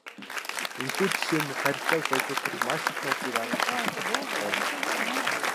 Энэхүү жишээ нь харилцааг баяжуулахад маш их нууцыг агуулсан чухал утгатай.